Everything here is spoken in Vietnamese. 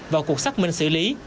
vào cuộc xác minh xử lý